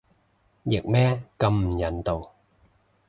譯咩咁唔人道